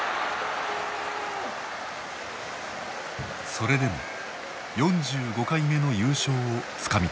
それでも４５回目の優勝をつかみ取った。